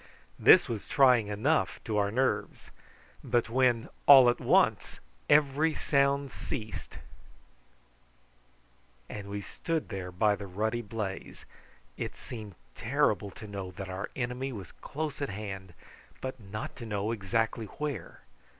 This was trying enough to our nerves; but when, all at once, every sound ceased, and we stood there by the ruddy blaze, it seemed terrible to know that our enemy was close at hand, but not to know exactly where.